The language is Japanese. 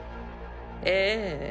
ええ。